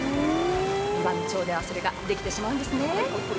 岩美町ではそれができてしまうんですね。